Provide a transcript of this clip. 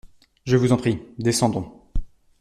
Je vous en prie, descendons.